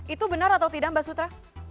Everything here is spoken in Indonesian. itu benar atau tidak mbak sutra